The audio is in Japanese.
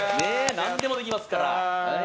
何でもできますから。